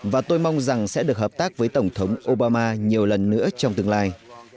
và tôi mong rằng sẽ được hợp tác với tổng thống obama nhiều lần nữa trong tương lai